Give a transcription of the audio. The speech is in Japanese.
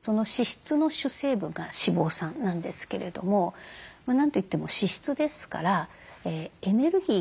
その脂質の主成分が脂肪酸なんですけれども何と言っても脂質ですからエネルギー源としての働きがあります。